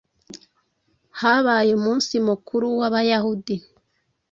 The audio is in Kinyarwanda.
habaye umunsi mukuru w abayahudi